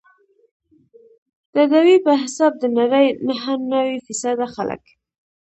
ددوی په حساب د نړۍ نهه نوي فیصده خلک.